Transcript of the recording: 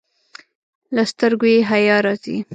له سترګو یې حیا راځي.